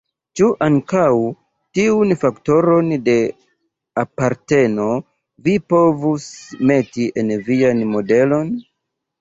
Ĉu ankaŭ tiun faktoron de aparteno vi povus meti en vian modelon?